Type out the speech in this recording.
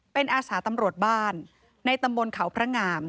เป็นอาสาตำรวจบ้านในตำบลเขาพระงาม